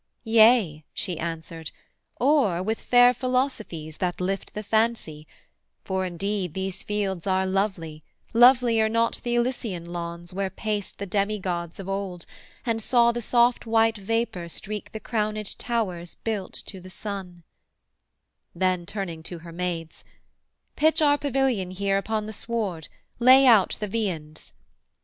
'Yea,' She answered, 'or with fair philosophies That lift the fancy; for indeed these fields Are lovely, lovelier not the Elysian lawns, Where paced the Demigods of old, and saw The soft white vapour streak the crownèd towers Built to the Sun:' then, turning to her maids, 'Pitch our pavilion here upon the sward; Lay out the viands.'